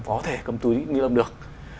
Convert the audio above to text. có thể cấm túi nilon được